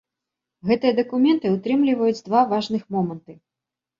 Гэтыя дакументы ўтрымліваюць два важных моманты.